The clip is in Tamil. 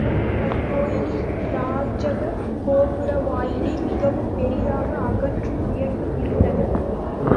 அக்கோயிலின் ராஜ கோபுர வாயிலே மிகவும் பெரிதாக அகன்றும் உயர்ந்தும் இருந்தது.